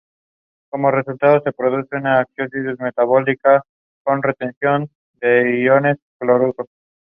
The nearest secondary schools are in Barcaldine and Blackall.